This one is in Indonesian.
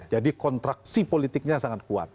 jadi kontraksi politiknya sangat kuat